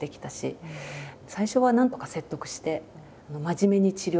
最初はなんとか説得して真面目に治療させようと思った。